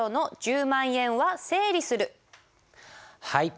はい。